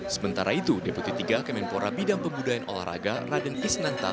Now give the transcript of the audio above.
sementara itu deputi tiga kemenpora bidang pembudayaan olahraga raden isnanta